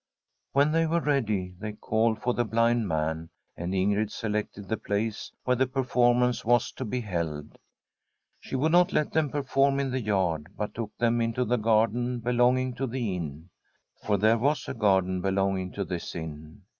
When they were ready they called for the blind man, and Ingrid selected the place where the per formance was to be held. She would not let them perform in the yard, but took them into the gar den belonging to the inn, for there was a garden belonging to this inn.